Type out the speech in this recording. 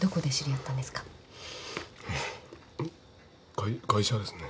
会会社ですね。